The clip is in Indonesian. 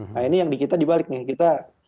nah ini yang dikita dibalik nih